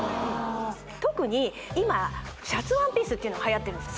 特に今シャツワンピースっていうのはやってるんです